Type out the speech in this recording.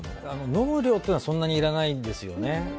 飲む量というのはそんなにいらないんですよね。